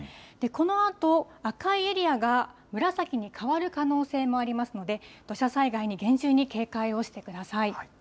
このあと赤いエリアが紫に変わる可能性もありますので、土砂災害に厳重に警戒をしてください。